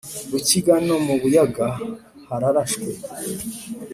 Rukiga no mu Buyaga hararashwe